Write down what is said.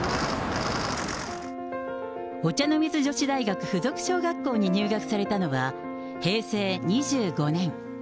お茶の水女子大学附属小学校に入学されたのは平成２５年。